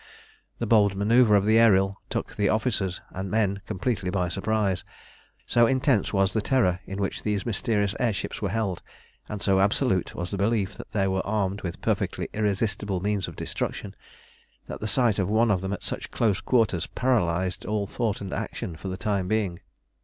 The bold manœuvre of the Ariel took officers and men completely by surprise. So intense was the terror in which these mysterious air ships were held, and so absolute was the belief that they were armed with perfectly irresistible means of destruction, that the sight of one of them at such close quarters paralysed all thought and action for the time being.